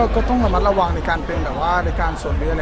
ก็ต้องระมัดระวังในการเป็นรายการสด